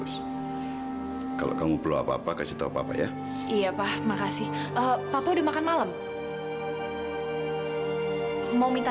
sampai jumpa di video selanjutnya